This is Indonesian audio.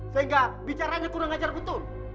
sehingga bicaranya kurang ajar betul